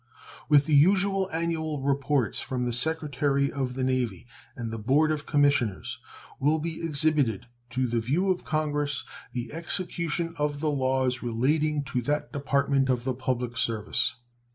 With the usual annual reports from the Secretary of the Navy and the Board of Commissioners will be exhibited to the view of Congress the execution of the laws relating to that department of the public service.